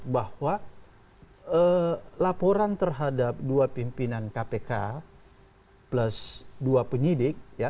bahwa laporan terhadap dua pimpinan kpk plus dua penyidik